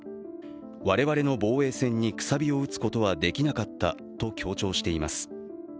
我々の防衛線にくさびを打つことはできなかったと強調しています。